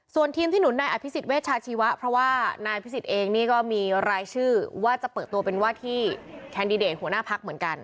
ส่วนทีมที่หนุนนายอภิษฎเวชาชีวะเพราะว่านายพิสิทธิ์เองนี่ก็มีรายชื่อว่าจะเปิดตัวเป็นว่าที่แคนดิเดตหัวหน้าพักเหมือนกัน